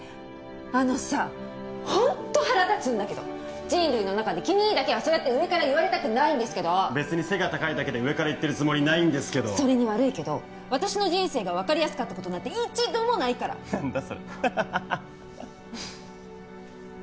あのさホント腹立つんだけど人類の中で君にだけはそうやって上から言われたくないんですけど別に背が高いだけで上から言ってるつもりないんですけどそれに悪いけど私の人生が分かりやすかったことなんて一度もないから何だそれハハハハハ